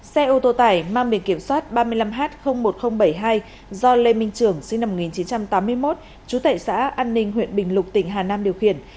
xe ô tô tải mang biển kiểm soát ba mươi năm h một nghìn bảy mươi hai do lê minh trưởng sinh năm một nghìn chín trăm tám mươi một trú tại xã an ninh huyện bình lục tỉnh hà nam điều khiển